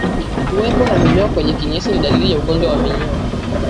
Kuwepo na minyoo kwenye kinyesi ni dalili za ugonjwa wa minyoo